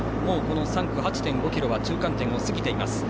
３区の８．５ｋｍ中間点は過ぎています。